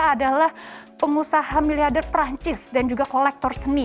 dia adalah pengusaha miliarder perancis dan juga kolektor seni